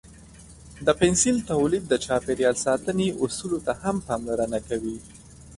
د پنسل تولید د چاپیریال ساتنې اصولو ته هم پاملرنه کوي.